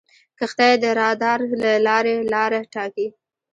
کښتۍ د رادار له لارې لاره ټاکي.